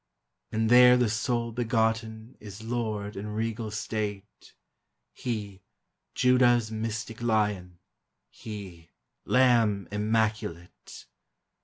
And there the Sole Begotten Is Lord in regal state, — He, Judah's mystic Lion, He, Lamb Immaculate.